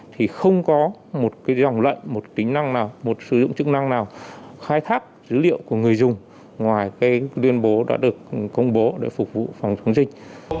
thì không có một cái dòng lệnh một tính năng nào một sử dụng chức năng nào khai thác dữ liệu của người dùng ngoài cái tuyên bố đã được công bố để phục vụ phòng chống dịch